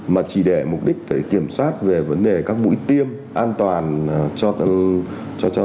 mà chỉ để mục đích kiểm soát về vấn đề các mũi tiêm an toàn cho thẻ xanh chẳng hạn